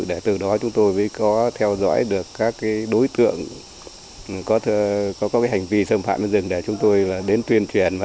để từ đó chúng tôi mới có theo dõi được các đối tượng có hành vi xâm phạm đến rừng để chúng tôi đến tuyên truyền